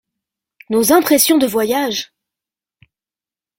Nos impressions de voyage !